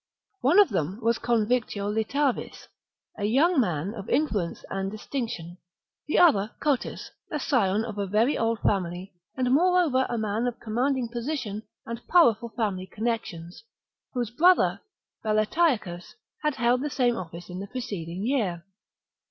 One of them was Convictolitavis, a young man of influence and distinction ; the other Cotus, a scion of a very old family, and, moreover, a man of commanding position and powerful family con nexions, whose brother, Valetiacus, had held the same office in the preceding year.